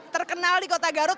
terkenal di kota garut